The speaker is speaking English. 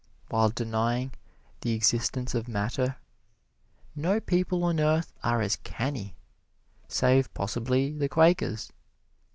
While denying the existence of matter, no people on earth are as canny, save possibly the Quakers.